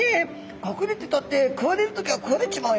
「隠れてたって食われる時は食われちまうよ。